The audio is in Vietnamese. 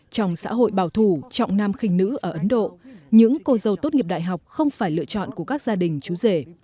trong xã hội bảo thủ trọng nam khinh nữ ở ấn độ những cô dâu tốt nghiệp đại học không phải lựa chọn của các gia đình chú rể